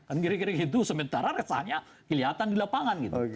kan kira kira gitu sementara resahnya kelihatan di lapangan gitu